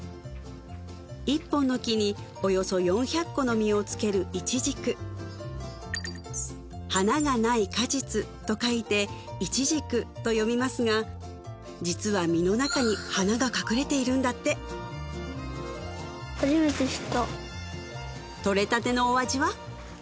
１本の木におよそ４００個の実をつけるイチジク「花が無い果実」と書いて「無花果」と読みますがじつは実の中に花が隠れているんだってとれたてのお味は？